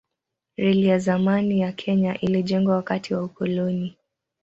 Reli ya zamani ya Kenya ilijengwa wakati wa ukoloni.